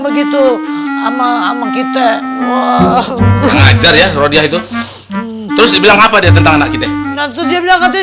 begitu sama sama kita wah ngajar ya rodiah itu terus dibilang apa dia tentang anak kita dia bilang katanya